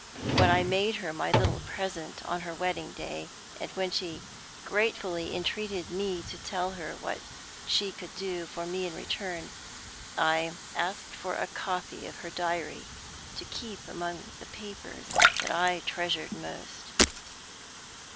When I made her my little present on her wedding day, and when she gratefully entreated me to tell her what she could do for me in return, I asked for a copy of her diary to keep among the papers that I treasured most.